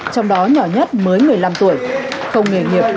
trong đó nhỏ nhất mới một mươi năm tuổi không nghề nghiệp